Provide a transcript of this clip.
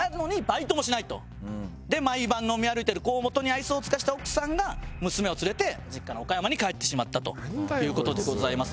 で毎晩飲み歩いてる河本に愛想を尽かした奥さんが娘を連れて実家の岡山に帰ってしまったという事でございます。